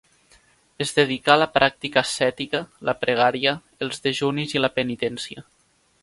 Es dedicà a la pràctica ascètica, la pregària, els dejunis i la penitència.